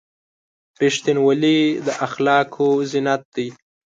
• رښتینولي د اخلاقو زینت دی.